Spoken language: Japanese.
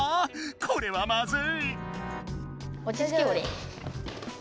これはまずい。